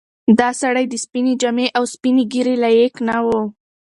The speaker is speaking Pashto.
دا سړی د سپینې جامې او سپینې ږیرې لایق نه و.